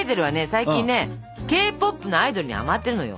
最近ねＫポップのアイドルにハマってるのよ！